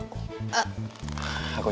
aku cinta banget sama kamu